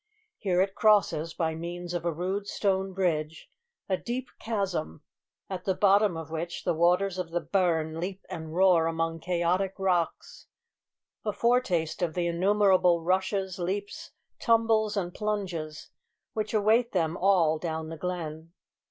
Here it crosses, by means of a rude stone bridge, a deep chasm, at the bottom of which the waters of the burn leap and roar among chaotic rocks a foretaste of the innumerable rushes, leaps, tumbles, and plunges, which await them all down the glen.